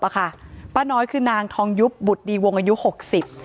ป้าน้อยคือนางทองยุบบุตรดีวงอายุหกสิบ